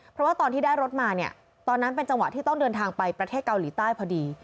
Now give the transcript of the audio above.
เพราะว่าตอนที่ได้รถมาเนี่ยตอนนั้นเป็นจังหวะที่ต้องเดินทางไปประเทศเกาหลีใต้พอดี